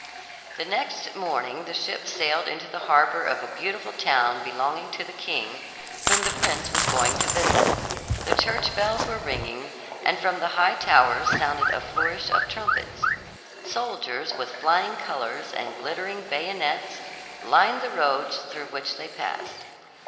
The next morning the ship sailed into the harbor of a beautiful town belonging to the king whom the prince was going to visit. The church bells were ringing, and from the high towers sounded a flourish of trumpets. Soldiers, with flying colors and glittering bayonets, lined the roads through which they passed.